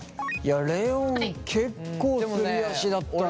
レオン結構すり足だったね。